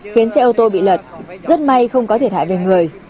khiến xe ô tô bị lật rất may không có thiệt hại về người